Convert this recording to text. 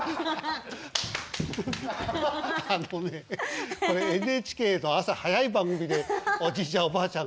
あのねこれＮＨＫの朝早い番組でおじいちゃん